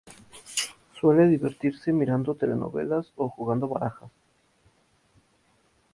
Suele divertirse mirando telenovelas o jugando barajas.